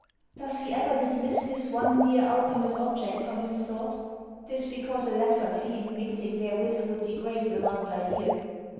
Does he ever dismiss this one dear ultimate object from his thought? 'tis because a lesser theme mixing therewith would degrade the loved idea.